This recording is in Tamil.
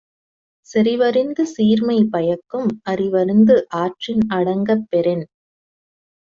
செறிவறிந்து சீர்மை பயக்கும் அறிவறிந்து ஆற்றின் அடங்கப் பெறின்